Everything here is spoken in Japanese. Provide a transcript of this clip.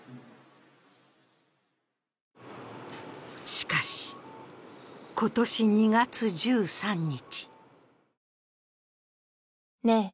しかし、今年２月１３日。